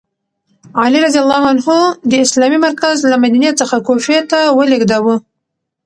علي رض د اسلامي مرکز له مدینې څخه کوفې ته ولیږداوه.